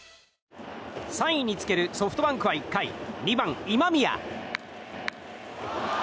３位につけるソフトバンクは１回、２番、今宮。